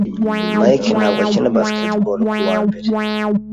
Mike ntabwo akina basketball kuwa mbere.